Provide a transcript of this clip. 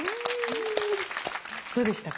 どうでしたか？